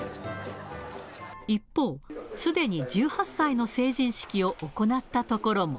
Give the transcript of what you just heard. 一方、すでに１８歳の成人式を行った所も。